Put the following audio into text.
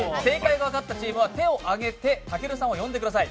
分かった人は手を上げて、たけるさんを呼んでください。